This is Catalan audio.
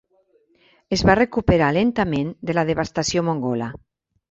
Es va recuperar lentament de la devastació mongola.